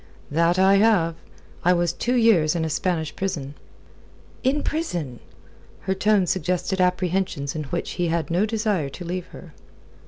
"That I have. I was two years in a Spanish prison." "In prison?" Her tone suggested apprehensions in which he had no desire to leave her.